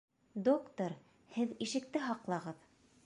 — Доктор, һеҙ ишекте һаҡлағыҙ.